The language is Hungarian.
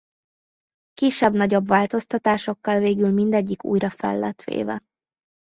Kisebb-nagyobb változtatásokkal végül mindegyik újra fel lett véve.